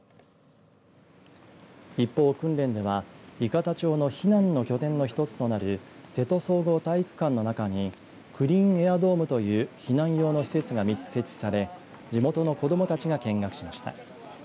一方、訓練では伊方町の避難の拠点の１つとなる瀬戸総合体育館の中にクリーンエアドームという避難用の施設が３つ設置され地元の子どもたちが見学しました。